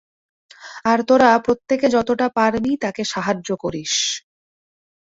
আর তোরা প্রত্যেকে যতটা পারবি, তাকে সাহায্য করিস।